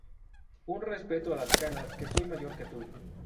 Un respeto a las canas que soy mayor que tú